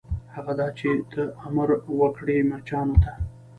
هغه دا چې ته امر وکړه مچانو ته.